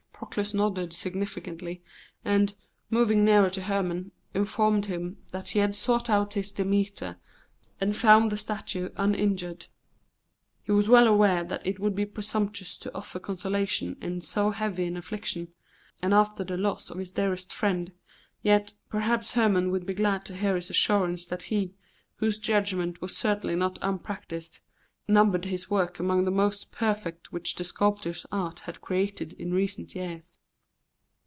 Proclus nodded significantly, and, moving nearer to Hermon, informed him that he had sought out his Demeter and found the statue uninjured. He was well aware that it would be presumptuous to offer consolation in so heavy an affliction, and after the loss of his dearest friend, yet perhaps Hermon would be glad to hear his assurance that he, whose judgment was certainly not unpractised, numbered his work among the most perfect which the sculptor's art had created in recent years.